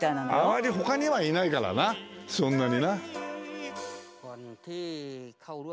あまりほかにはいないからなそんなにな。